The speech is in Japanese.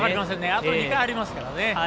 あと２回ありますからね。